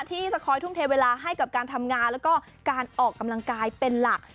ที่จะคอยทุ่มเทเวลาให้กับการทำงานแล้วก็การออกกำลังกายเป็นหลัก